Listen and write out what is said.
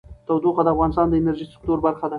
تودوخه د افغانستان د انرژۍ سکتور برخه ده.